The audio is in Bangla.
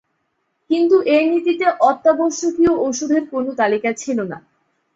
কিন্তু এ নীতিতে অত্যাবশ্যকীয় ওষুধের কোনো তালিকা ছিল না।